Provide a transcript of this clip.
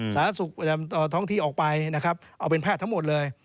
สหสุทธิ์ท้องที่ออกไปเอาเป็นแพทย์ทั้งหมดเลย